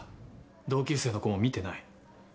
同級生の子も見てない。